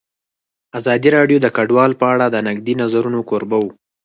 ازادي راډیو د کډوال په اړه د نقدي نظرونو کوربه وه.